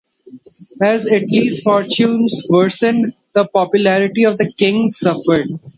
As Italy's fortunes worsened, the popularity of the King suffered.